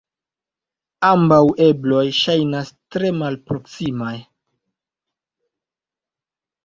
Ambaŭ ebloj ŝajnas tre malproksimaj.